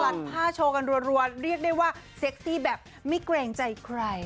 ผ้าโชว์กันรัวเรียกได้ว่าเซ็กซี่แบบไม่เกรงใจใคร